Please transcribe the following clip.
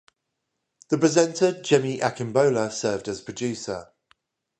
The presenter Jimmy Akingbola served as producer.